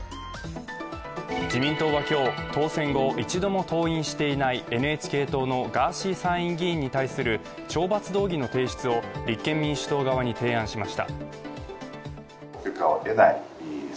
自民党は今日、当選後、一度も登院していないＮＨＫ党のガーシー参院議員に対する懲罰動議の提出を立憲民主党側に提案しました。